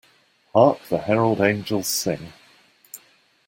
Hark the Herald Angels sing.